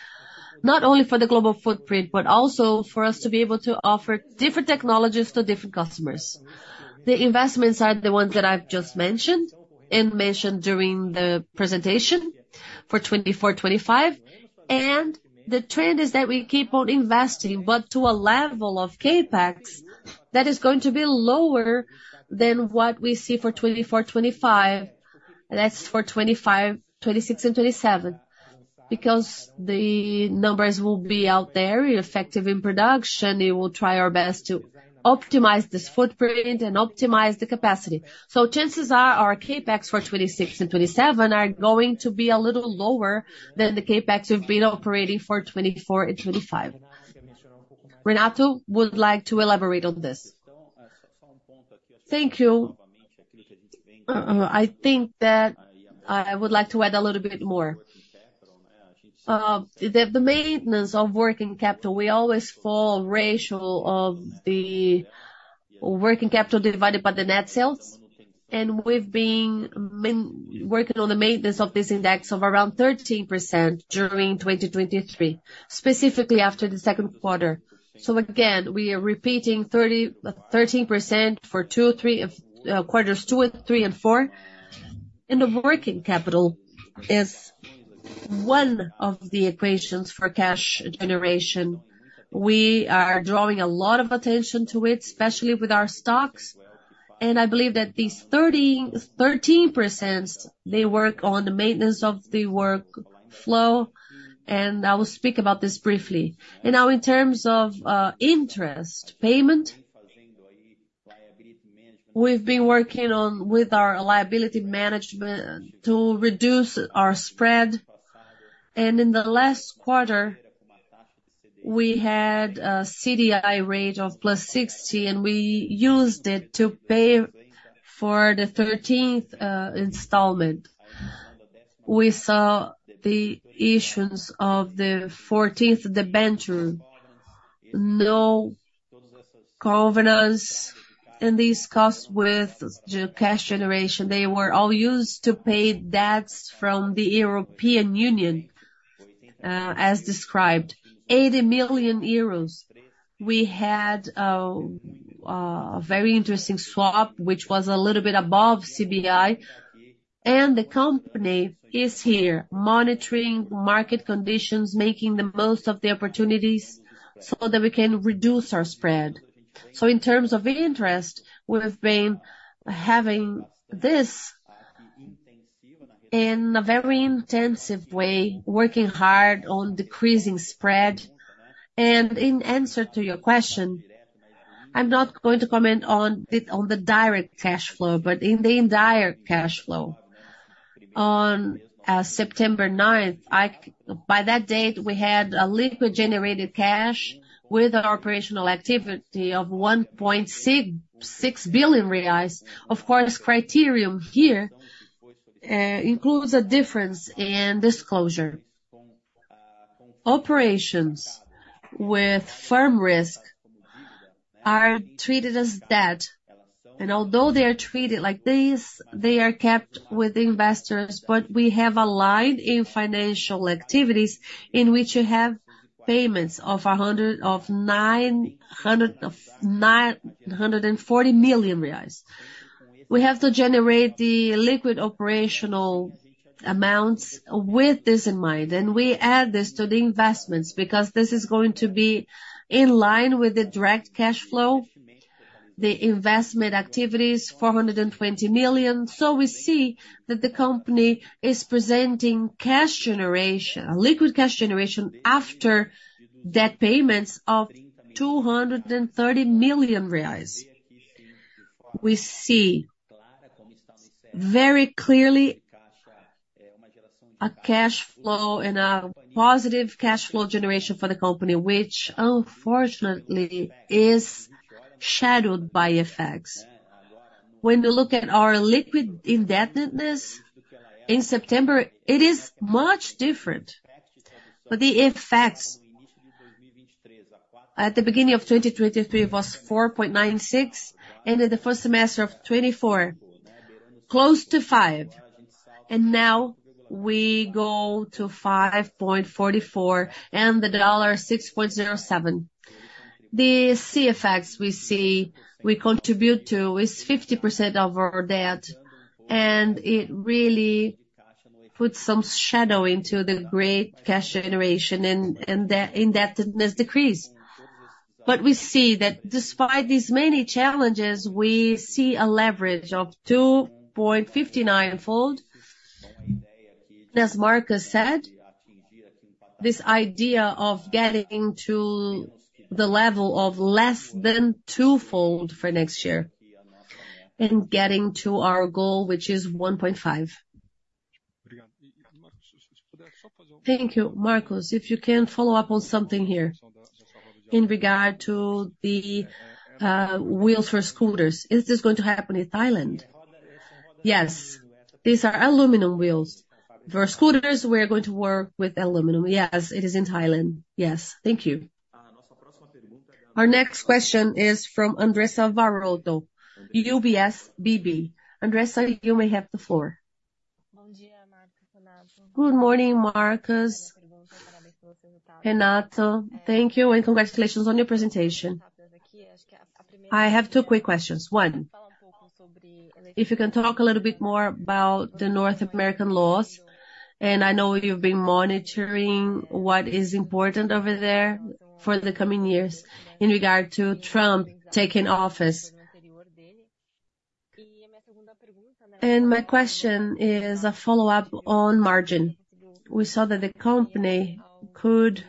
not only for the global footprint, but also for us to be able to offer different technologies to different customers. The investments are the ones that I've just mentioned and mentioned during the presentation for 2024-25. The trend is that we keep on investing, but to a level of CAPEX that is going to be lower than what we see for 2024-25, and that's for 25, 26, and 27, because the numbers will be out there. We're effective in production. We will try our best to optimize this footprint and optimize the capacity. Chances are our CAPEX for 26 and 27 are going to be a little lower than the CAPEX we've been operating for 24 and 25. Renato would like to elaborate on this. Thank you. I think that I would like to add a little bit more. The maintenance of working capital, we always follow the ratio of the working capital divided by the net sales. We've been working on the maintenance of this index of around 13% during 2023, specifically after the second quarter. Again, we are repeating 13% for two or three quarters, two and three and four. The working capital is one of the equations for cash generation. We are drawing a lot of attention to it, especially with our stocks. I believe that these 13% work on the maintenance of the workflow, and I will speak about this briefly. In terms of interest payment, we've been working with our liability management to reduce our spread. In the last quarter, we had a CDI rate of plus 60, and we used it to pay for the 13th installment. We saw the issues of the 14th, debenture, no covenants, and these costs with the cash generation. They were all used to pay debts from the European Union, as described, €80 million. We had a very interesting swap, which was a little bit above CDI. The company is here monitoring market conditions, making the most of the opportunities so that we can reduce our spread. In terms of interest, we've been having this in a very intensive way, working hard on decreasing spread. In answer to your question, I'm not going to comment on the direct cash flow, but in the entire cash flow. On September 9th, by that date, we had a liquid generated cash with our operational activity of R$1.6 billion. Of course, criterion here includes a difference in disclosure. Operations with firm risk are treated as debt. Although they are treated like this, they are kept with investors, but we have a line in financial activities in which you have payments of R$940 million. We have to generate the liquid operational amounts with this in mind. We add this to the investments because this is going to be in line with the direct cash flow, the investment activities, R$420 million. So we see that the company is presenting cash generation, liquid cash generation after debt payments of R$230 million. We see very clearly a cash flow and a positive cash flow generation for the company, which unfortunately is shadowed by effects. When you look at our liquid indebtedness in September, it is much different. But the effects at the beginning of 2023 was 4.96, and in the first semester of 2024, close to 5. We go to $5.44 and the dollar $6.07. The CFX we see we contribute to is 50% of our debt, and it really puts some shadow into the great cash generation and indebtedness decrease. But we see that despite these many challenges, we see a leverage of 2.59 fold. As Marcos said, this idea of getting to the level of less than twofold for next year and getting to our goal, which is 1.5. Thank you, Marcos. If you can follow up on something here in regard to the wheels for scooters, is this going to happen in Thailand? Yes. These are aluminum wheels for scooters. We're going to work with aluminum. Yes, it is in Thailand. Yes. Thank you. Our next question is from Andressa Varotto, UBS BB. Andressa, you may have the floor. Good morning, Marcos. Renato, thank you, and congratulations on your presentation. I have two quick questions. One, if you can talk a little bit more about the North American laws. I know you've been monitoring what is important over there for the coming years in regard to Trump taking office. My question is a follow-up on margin. We saw that the company could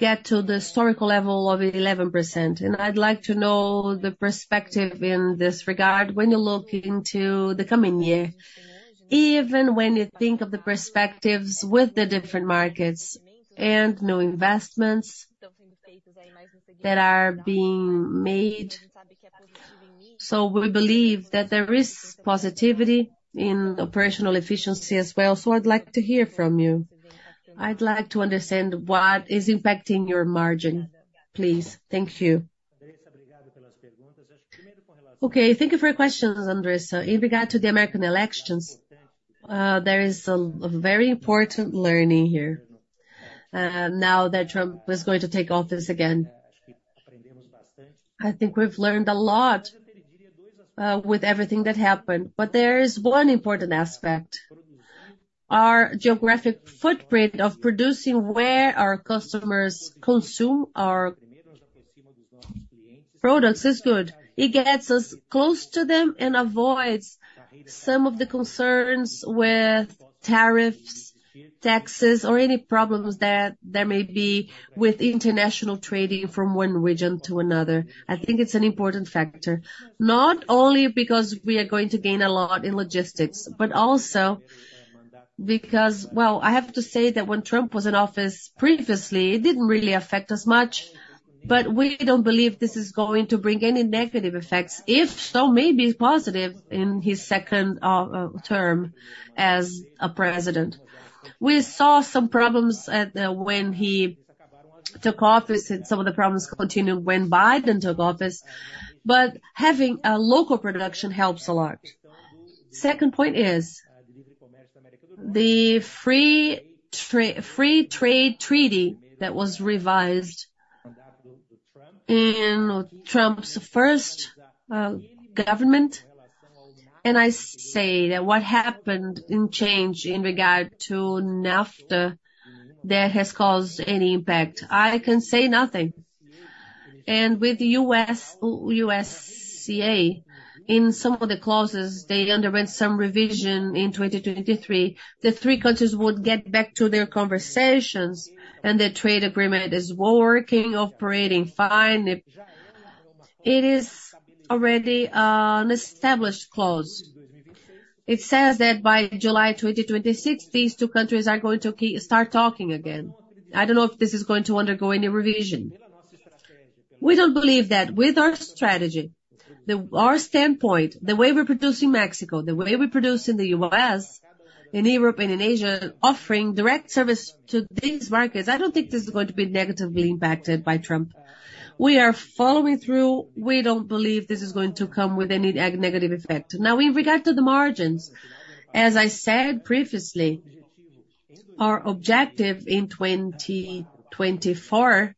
get to the historical level of 11%. I'd like to know the perspective in this regard when you look into the coming year, even when you think of the perspectives with the different markets and new investments that are being made. We believe that there is positivity in operational efficiency as well. I'd like to hear from you. I'd like to understand what is impacting your margin, please. Thank you. Okay. Thank you for your questions, Andressa. In regard to the American elections, there is a very important learning here. Now that Trump is going to take office again, I think we've learned a lot with everything that happened. But there is one important aspect. Our geographic footprint of producing where our customers consume our products is good. It gets us close to them and avoids some of the concerns with tariffs, taxes, or any problems that there may be with international trading from one region to another. I think it's an important factor, not only because we are going to gain a lot in logistics, but also because, well, I have to say that when Trump was in office previously, it didn't really affect us much, but we don't believe this is going to bring any negative effects. If so, maybe positive in his second term as President. We saw some problems when he took office, and some of the problems continued when Biden took office. Having a local production helps a lot. Second point is the free trade treaty that was revised in Trump's first government. I say that what happened in change in regard to NAFTA that has caused any impact, I can say nothing. With the USMCA, in some of the clauses, they underwent some revision in 2023. The three countries would get back to their conversations, and the trade agreement is working, operating fine. It is already an established clause. It says that by July 2026, these two countries are going to start talking again. I don't know if this is going to undergo any revision. We don't believe that with our strategy, our standpoint, the way we're producing Mexico, the way we're producing the US, and Europe and in Asia offering direct service to these markets, I don't think this is going to be negatively impacted by Trump. We are following through. We don't believe this is going to come with any negative effect. Now, in regard to the margins, as I said previously, our objective in 2024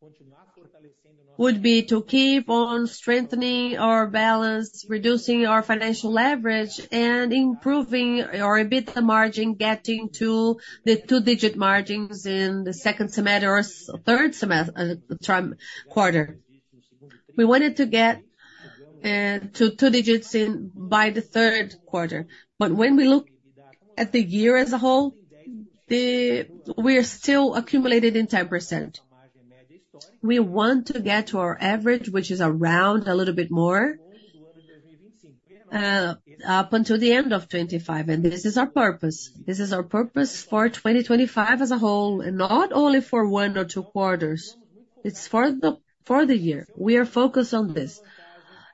would be to keep on strengthening our balance, reducing our financial leverage, and improving our EBITDA margin, getting to the two-digit margins in the second semester or third quarter. We wanted to get to two digits by the third quarter. But when we look at the year as a whole, we are still accumulated in 10%. We want to get to our average, which is around a little bit more up until the end of 2025. This is our purpose. This is our purpose for 2025 as a whole, and not only for one or two quarters. It's for the year. We are focused on this: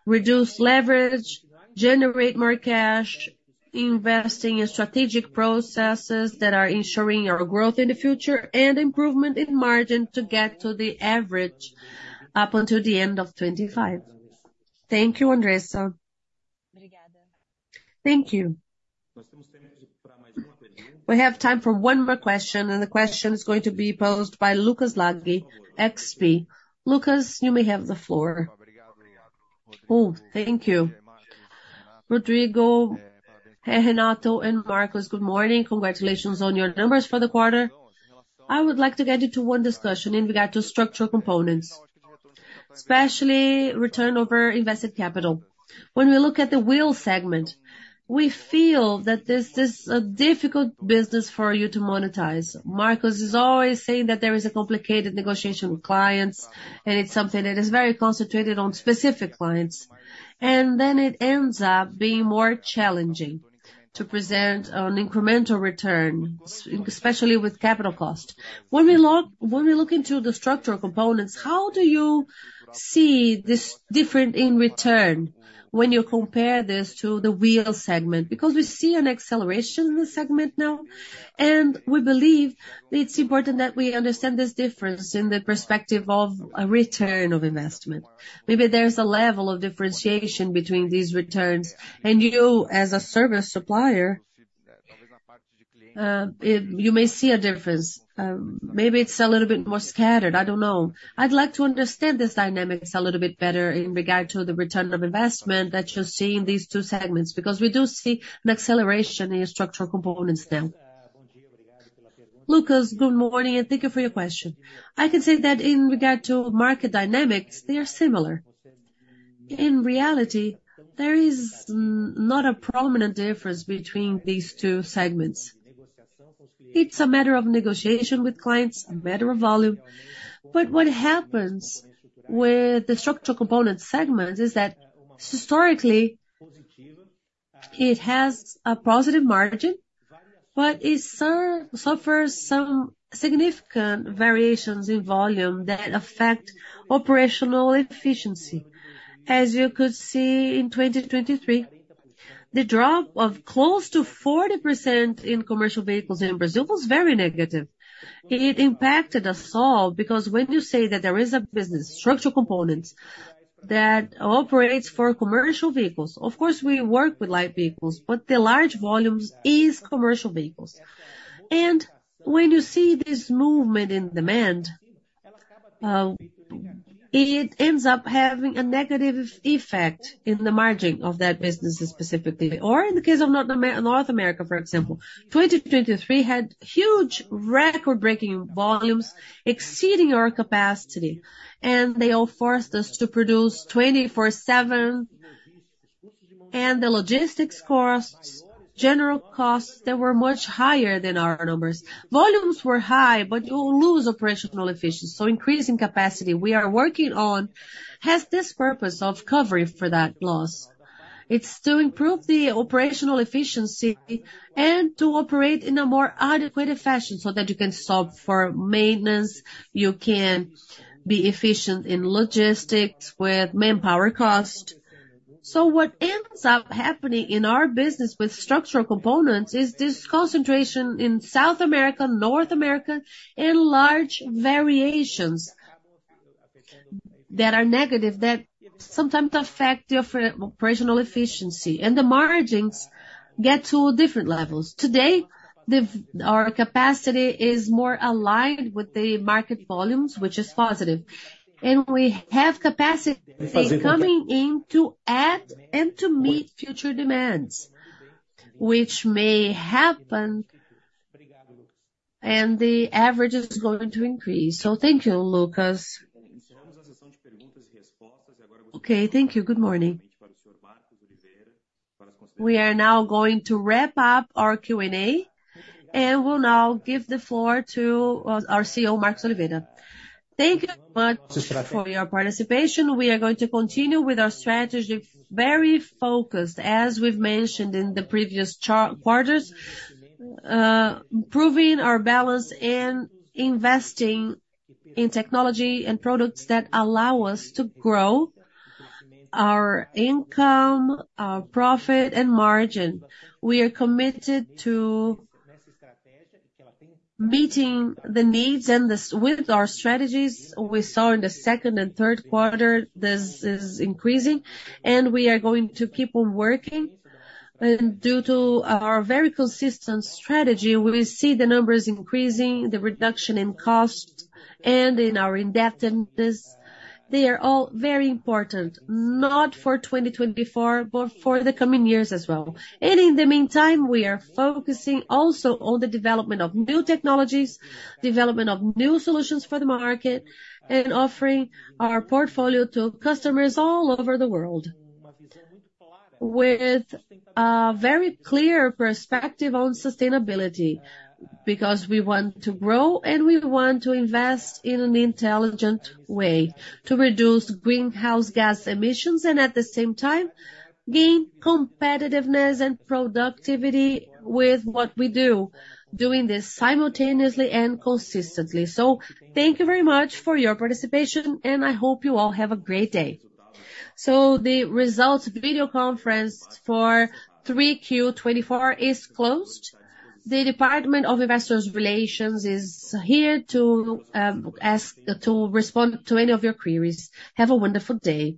reduce leverage, generate more cash, investing in strategic processes that are ensuring our growth in the future, and improvement in margin to get to the average up until the end of 2025. Thank you, Andressa. Thank you. We have time for one more question, and the question is going to be posed by Lucas Laghi, XP. Lucas, you may have the floor. Thank you. Rodrigo, Renato, and Marcos, good morning. Congratulations on your numbers for the quarter. I would like to get into one discussion in regard to structural components, especially return over invested capital. When we look at the wheel segment, we feel that this is a difficult business for you to monetize. Marcos is always saying that there is a complicated negotiation with clients, and it's something that is very concentrated on specific clients. And then it ends up being more challenging to present an incremental return, especially with capital cost. When we look into the structural components, how do you see this difference in return when you compare this to the wheel segment? Because we see an acceleration in the segment now, and we believe it's important that we understand this difference in the perspective of a return of investment. Maybe there's a level of differentiation between these returns, and you, as a service supplier, you may see a difference. Maybe it's a little bit more scattered. I don't know. I'd like to understand this dynamics a little bit better in regard to the return of investment that you're seeing in these two segments, because we do see an acceleration in structural components now. Lucas, good morning, and thank you for your question. I can say that in regard to market dynamics, they are similar. In reality, there is not a prominent difference between these two segments. It's a matter of negotiation with clients, a matter of volume. But what happens with the structural component segments is that historically, it has a positive margin, but it suffers some significant variations in volume that affect operational efficiency. As you could see in 2023, the drop of close to 40% in commercial vehicles in Brazil was very negative. It impacted us all because when you say that there is a business, structural components that operates for commercial vehicles, of course, we work with light vehicles, but the large volumes are commercial vehicles. When you see this movement in demand, it ends up having a negative effect in the margin of that business specifically. In the case of North America, for example, 2023 had huge record-breaking volumes exceeding our capacity, and they all forced us to produce 24/7. The logistics costs, general costs, they were much higher than our numbers. Volumes were high, but you lose operational efficiency. Increasing capacity we are working on has this purpose of covering for that loss. It's to improve the operational efficiency and to operate in a more adequate fashion so that you can solve for maintenance, you can be efficient in logistics with manpower cost. What ends up happening in our business with structural components is this concentration in South America, North America, and large variations that are negative that sometimes affect operational efficiency, and the margins get to different levels. Today, our capacity is more aligned with the market volumes, which is positive. We have capacity coming in to add and to meet future demands, which may happen, and the average is going to increase. Thank you, Lucas. Thank you. Good morning. We are now going to wrap up our Q&A, and we'll now give the floor to our CEO, Marcos Oliveira. Thank you very much for your participation. We are going to continue with our strategy, very focused, as we've mentioned in the previous quarters, improving our balance and investing in technology and products that allow us to grow our income, our profit, and margin. We are committed to meeting the needs and with our strategies we saw in the second and third quarter, this is increasing, and we are going to keep on working. Due to our very consistent strategy, we see the numbers increasing, the reduction in cost, and in our indebtedness. They are all very important, not for 2024, but for the coming years as well. In the meantime, we are focusing also on the development of new technologies, development of new solutions for the market, and offering our portfolio to customers all over the world with a very clear perspective on sustainability because we want to grow and we want to invest in an intelligent way to reduce greenhouse gas emissions and at the same time gain competitiveness and productivity with what we do, doing this simultaneously and consistently. Thank you very much for your participation, and I hope you all have a great day. The results video conference for Q3 2024 is closed. The Department of Investor Relations is here to respond to any of your queries. Have a wonderful day.